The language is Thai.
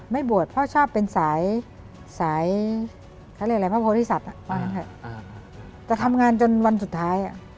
ไม่บวชเพราะชอบเป็นสายพระโพธิศัพท์แต่ทำงานจนวันสุดท้าย